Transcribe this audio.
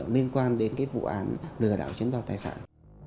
liên quan đến vụ lừa đảo chiếm đoạt tài sản